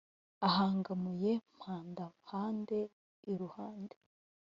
Ahangamuye Mpandahande i Ruhande